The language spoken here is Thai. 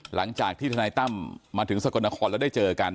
หลังจากที่ทนายตั้มมาถึงสกลนครแล้วได้เจอกัน